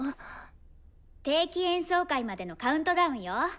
定期演奏会までのカウントダウンよ。